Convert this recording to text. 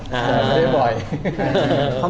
ทำไมไม่ได้บ่อย